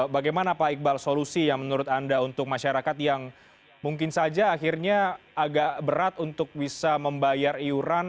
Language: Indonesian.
bagaimana pak iqbal solusi yang menurut anda untuk masyarakat yang mungkin saja akhirnya agak berat untuk bisa membayar iuran